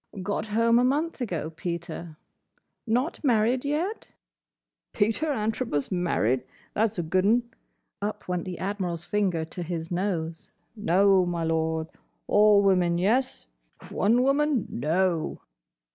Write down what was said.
"Got home a month ago, Peter. Not married yet?" "Peter Antrobus married? That's a good 'un." Up went the Admiral's finger to his nose. "No, my Lord. All women, yes. One woman, no!"